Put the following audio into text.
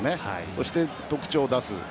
そして特徴を出す。